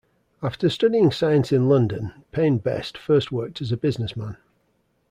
After studying science in London, Payne Best first worked as a businessman.